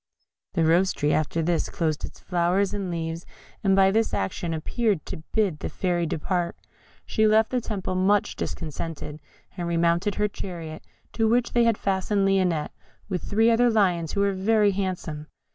The Rose tree after this closed its flowers and leaves, and by this action appeared to bid the Fairy depart. She left the temple much discontented, and remounted her chariot, to which they had fastened Lionette, with three other lions who were very handsome.